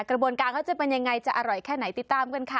กระบวนการเขาจะเป็นยังไงจะอร่อยแค่ไหนติดตามกันค่ะ